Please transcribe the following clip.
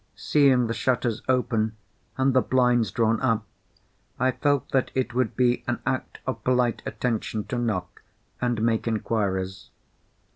Seeing the shutters opened, and the blinds drawn up, I felt that it would be an act of polite attention to knock, and make inquiries.